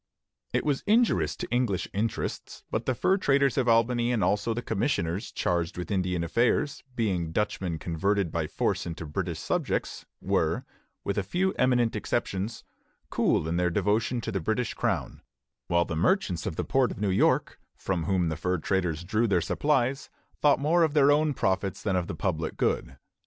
It was injurious to English interests; but the fur traders of Albany and also the commissioners charged with Indian affairs, being Dutchmen converted by force into British subjects, were, with a few eminent exceptions, cool in their devotion to the British Crown; while the merchants of the port of New York, from whom the fur traders drew their supplies, thought more of their own profits than of the public good.